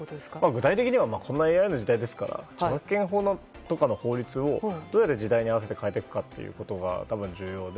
具体的にはこんなＡＩの時代ですから著作権法などをどうやって時代に合わせて変えていくかということが多分、重要で。